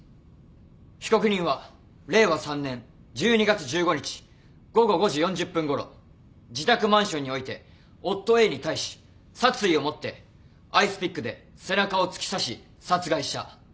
被告人は令和３年１２月１５日午後５時４０分ごろ自宅マンションにおいて夫Ａに対し殺意を持ってアイスピックで背中を突き刺し殺害した。